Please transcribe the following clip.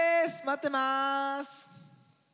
待ってます！